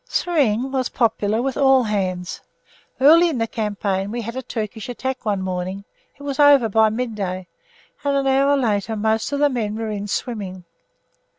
Swimming was popular with all hands. Early in the campaign we had a Turkish attack one morning; it was over by midday, and an hour later most of the men were in swimming.